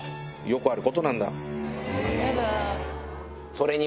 それに。